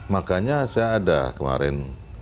makanya saya ada kemarin